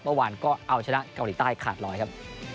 เมื่อวานก็เอาชนะเกาหลีใต้ขาดร้อยครับ